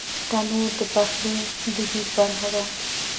تنور د پخلي دودیزه برخه ده